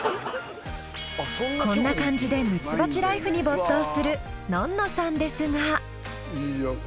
こんな感じでミツバチライフに没頭するのんのさんですが。